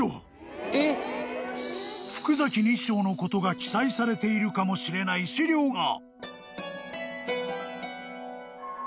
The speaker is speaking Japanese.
［福崎日精のことが記載されているかもしれない資料が］